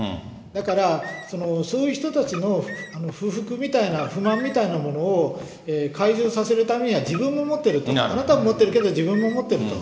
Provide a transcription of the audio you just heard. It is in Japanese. だから、そういう人たちの不服みたいな、不満みたいなものを懐柔させるためには、自分も持ってると、あなたも持ってるけど、自分も持ってると。